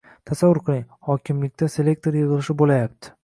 Tasavvur qiling: hokimlikda selektor yig‘ilishi bo‘layapti.